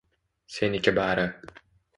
Seniki bari.